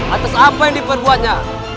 atas apa yang diperbuatnya